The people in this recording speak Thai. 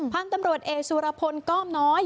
พันธุ์ตำรวจเอกสุรพลก้อมน้อย